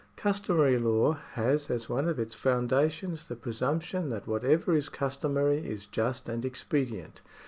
Customary law has as one of its foundations the presumption that whatever is customary is just and expedient.